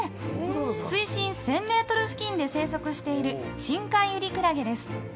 水深１０００ｍ付近で生息しているシンカイウリクラゲです。